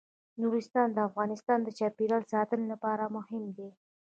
نورستان د افغانستان د چاپیریال ساتنې لپاره مهم دي.